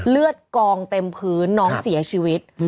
เลือดกองเต็มพื้นน้องเสียชีวิต